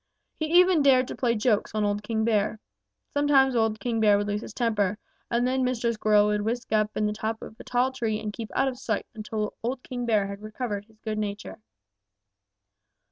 He even dared to play jokes on old King Bear. Sometimes old King Bear would lose his temper, and then Mr. Squirrel would whisk up in the top of a tall tree and keep out of sight until old King Bear had recovered his good nature.